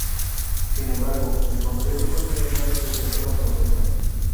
Sin embargo, el Congreso Continental rechazó la propuesta.